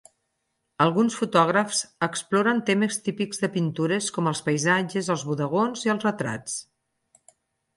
Alguns fotògrafs exploren temes típics de pintures com els paisatges, els bodegons i els retrats.